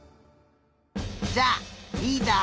じゃあリーダー